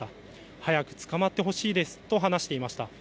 早く捕まってほしいですと話していました。